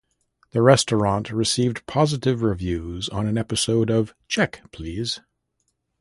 The restaurant received positive reviews on an episode of Check, Please!